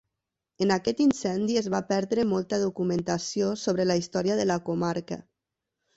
En aquest incendi es va perdre molta documentació sobre la història de la comarca.